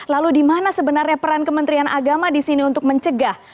lalu dimana sebenarnya peran kementerian agama disini untuk mencegah